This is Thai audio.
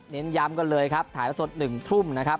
เน้นย้ำกันเลยครับถ่ายละสด๑ทุ่มนะครับ